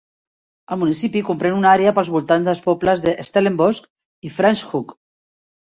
El municipi comprèn una àrea pels voltants dels pobles de Stellenbosch i Franschhoek.